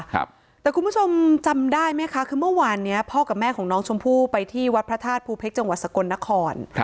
คุณผู้ชมจำได้ไหมคะคือเมื่อวานเนี้ยพ่อกับแม่ของน้องชมพู่ไปที่วัดพระธาตุภูเพชรจังหวัดสกลนคร